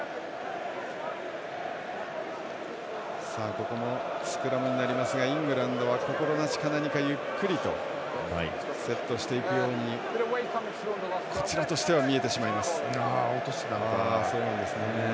ここもスクラムになりますがイングランドは心なしか何か、ゆっくりとセットしていくように落としてたな。